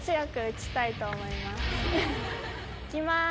行きます。